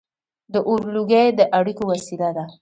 • د اور لوګي د اړیکو وسیله وه.